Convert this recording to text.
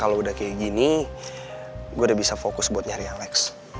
kalau udah kayak gini gue udah bisa fokus buat nyari alex